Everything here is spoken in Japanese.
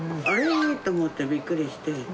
あれぇーと思って、びっくりして。